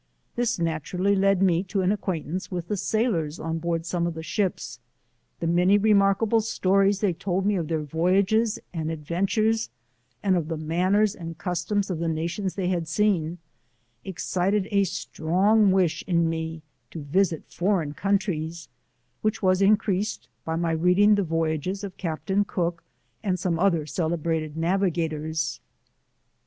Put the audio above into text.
This naturally leading me to an acquaintance with the sailors on board sQme of the ships : the many re markable stories they told me of their voyages and adventures, and of the manners and customs of the nations they had seen, excited a strong wish ia me to visit foreign countries, which was encreased by my reading the voyages of Captain Cook, and some other celebrated navigators.